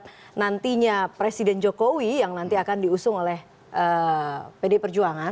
berpengaruh juga terhadap nantinya presiden jokowi yang nanti akan diusung oleh pdip